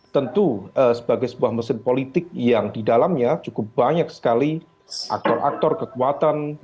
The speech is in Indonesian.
tentu sebagai sebuah mesin politik yang didalamnya cukup banyak sekali aktor aktor kekuatan